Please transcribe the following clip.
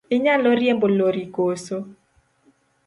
Inyalo riembo lori koso?